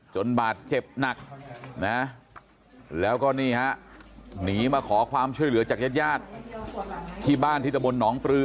บาดเจ็บหนักนะแล้วก็นี่ฮะหนีมาขอความช่วยเหลือจากญาติญาติที่บ้านที่ตะบนหนองปลือ